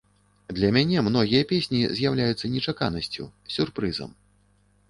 Для мяне многія песні з'яўляюцца нечаканасцю, сюрпрызам.